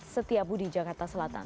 setiapudi jakarta selatan